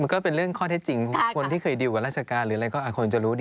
ก็เป็นเรื่องข้อเท็จจริงของคนที่เคยดิวกับราชการหรืออะไรก็ควรจะรู้ดี